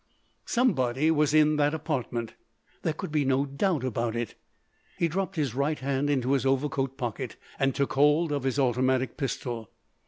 Somebody was in that apartment. There could be no doubt about it. He dropped his right hand into his overcoat pocket and took hold of his automatic pistol.